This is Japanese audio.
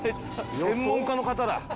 専門家の方だ。